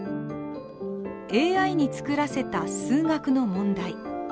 ＡＩに作らせた数学の問題。